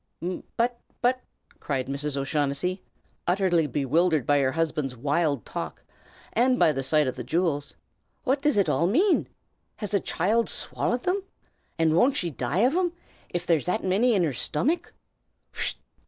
"But but," cried Mrs. O'Shaughnessy, utterly bewildered by her husband's wild talk, and by the sight of the jewels, "what does it all mane? Has the choild swallied 'em? And won't she die av 'em, av it's that manny in her stumick?"